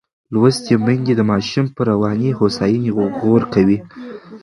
لوستې میندې د ماشوم پر رواني هوساینې غور کوي.